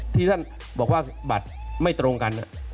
ที่ท่านบอกว่าบัตรไม่ตรงกัน